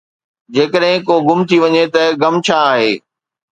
جيڪڏهن ڪو گم ٿي وڃي ته غم ڇا آهي؟